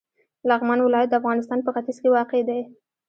لغمان ولایت د افغانستان په ختیځ کې واقع دی.